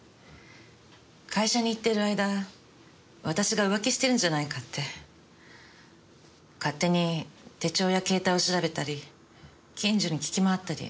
会社に行ってる間私が浮気してるんじゃないかって勝手に手帳や携帯を調べたり近所に聞き回ったり。